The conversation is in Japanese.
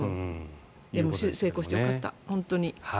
でも手術成功してよかった本当に。